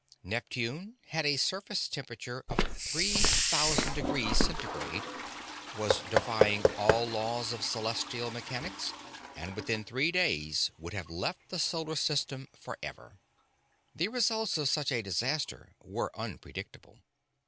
Neptune had a surface temperature of 3,000° C, was defying all laws of celestial mechanics, and within three days would have left the solar system for ever. The results of such a disaster were unpredictable.